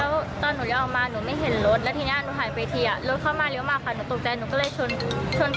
แล้วตอนหนูเลี้ยวออกมาหนูไม่เห็นรถแล้วทีนี้หนูหายไปทีอ่ะ